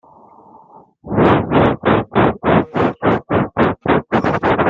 Son expérience a été menée en secret.